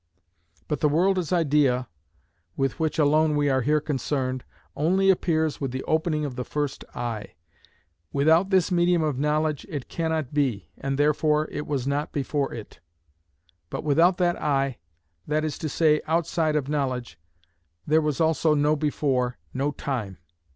But the world as idea, with which alone we are here concerned, only appears with the opening of the first eye. Without this medium of knowledge it cannot be, and therefore it was not before it. But without that eye, that is to say, outside of knowledge, there was also no before, no time.